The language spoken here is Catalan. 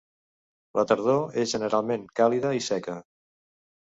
La tardor és generalment càlida i seca.